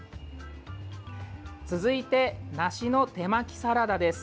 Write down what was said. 続いて、梨の手巻きサラダです。